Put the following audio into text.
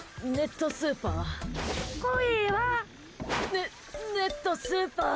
ネネットスーパー。